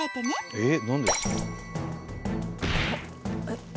えっ？